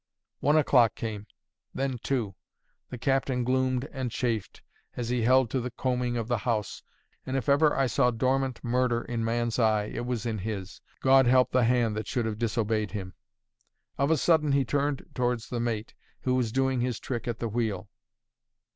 One o'clock came, then two; the captain gloomed and chafed, as he held to the coaming of the house, and if ever I saw dormant murder in man's eye, it was in his. God help the hand that should have disobeyed him. Of a sudden, he turned towards the mate, who was doing his trick at the wheel.